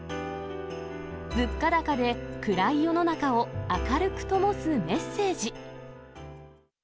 物価高で暗い世の中を明るくともすメッセージ。